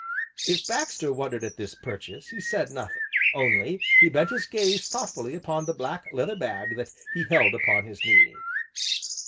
If Baxter wondered at this purchase, he said nothing, only he bent his gaze thoughtfully upon the black leather bag that he held upon his knee.